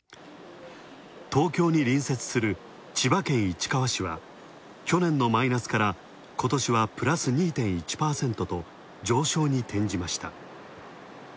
東京に隣接する千葉県市川市は、去年のマイナスから今年はプラス２．１％と上昇に転じました。